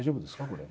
これ。